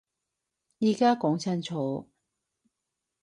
而家講清楚